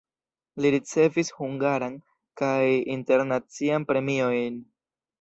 Li ricevis hungaran kaj internacian premiojn.